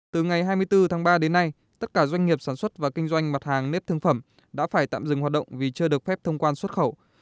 từ ngày hai mươi bốn tháng ba đến nay tất cả doanh nghiệp sản xuất và kinh doanh mặt hàng nếp thương phẩm đã phải tạm dừng hoạt động vì chưa được phép thông quan xuất khẩu